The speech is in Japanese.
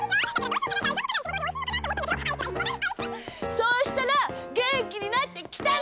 そうしたらげんきになってきたんだ！